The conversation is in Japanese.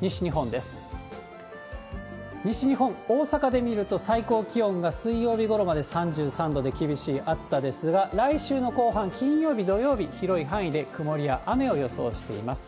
西日本、大阪で見ると、最高気温が水曜日ごろまで３３度で厳しい暑さですが、来週の後半、金曜日、土曜日、広い範囲で曇りや雨を予想しています。